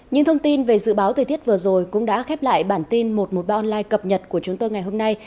những thông tin về dự báo thời tiết vừa rồi cũng đã khép lại bản tin một trăm một mươi ba online cập nhật của chúng tôi ngày hôm nay